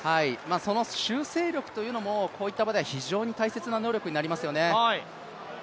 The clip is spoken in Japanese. その修正力というのもこういった場では非常に大切な能力になります。